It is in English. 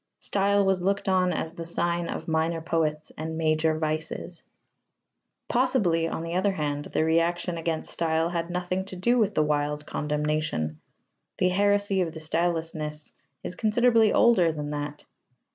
Style was looked on as the sign of minor poets and major vices. Possibly, on the other hand, the reaction against style had nothing to do with the Wilde condemnation. The heresy of the stylelessness is considerably older than that.